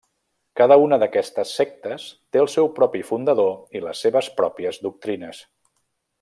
Cada una d’aquestes sectes té el seu propi fundador i les seves pròpies doctrines.